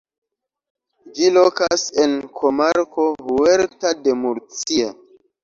Ĝi lokas en komarko Huerta de Murcia.